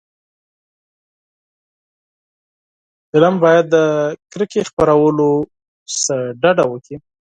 فلم باید د کرکې خپرولو نه ډډه وکړي